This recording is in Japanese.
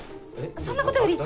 そんなことより！